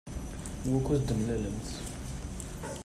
Wukud d-temlalemt?